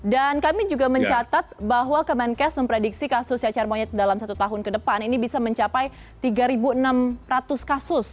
dan kami juga mencatat bahwa kemenkes memprediksi kasus cacar monyet dalam satu tahun ke depan ini bisa mencapai tiga enam ratus kasus